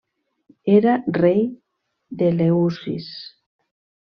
Era rei d'Eleusis.